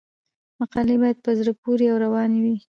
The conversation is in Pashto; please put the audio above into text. مقالې باید په زړه پورې او روانې وي.